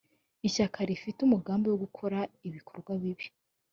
ishyaka rifite umugambi wo gukora ibikorwa bibi